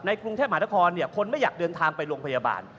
กรุงเทพมหานครคนไม่อยากเดินทางไปโรงพยาบาล